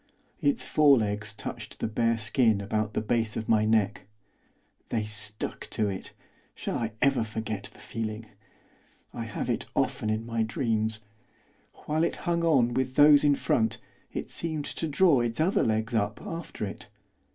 Its forelegs touched the bare skin about the base of my neck; they stuck to it, shall I ever forget the feeling? I have it often in my dreams. While it hung on with those in front it seemed to draw its other legs up after it.